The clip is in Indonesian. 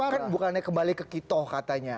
kan bukannya kembali ke kitoh katanya